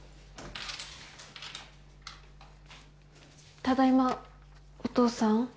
ただいまお父さん？